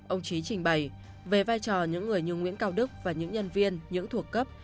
ông trí trình bày về vai trò những người như nguyễn cao đức và những nhân viên những thuộc cấp